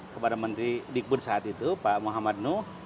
kepada menteri dikbud saat itu pak muhammad nuh